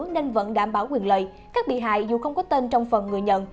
nên vẫn đảm bảo quyền lợi các bị hại dù không có tên trong phần người nhận